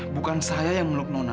bukan saya yang meluk nona